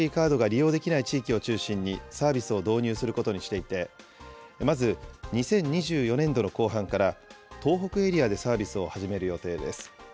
利用できない地域を中心にサービスを導入することにしていて、まず、２０２４年度の後半から、東北エリアでサービスを始める予定です。